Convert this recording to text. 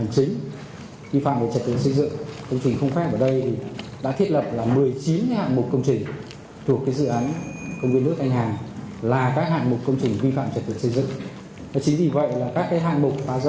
chính vì vậy là các hạng mục phá rỡ ở đây là một mươi chín hạng mục công trình